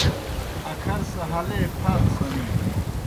اکھر سہ ہلے پھال سنِینوْ۔